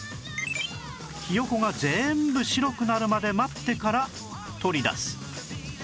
ヒヨコが全部白くなるまで待ってから取り出す